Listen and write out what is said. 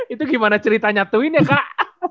itu gimana cerita nyatuin ya kak